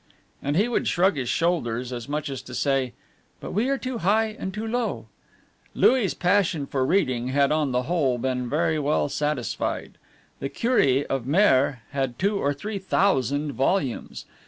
And he would shrug his shoulders as much as to say, "But we are too high and too low!" Louis' passion for reading had on the whole been very well satisfied. The cure of Mer had two or three thousand volumes.